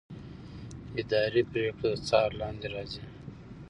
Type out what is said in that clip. اداري پرېکړه د څار لاندې راځي.